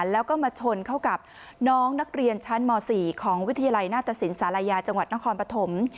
แล้วก็มาชนเข้ากับน้องนักเรียนชั้นม๔ของวิทยาลัยหน้าตสินศาลายาจังหวัดนครปฐม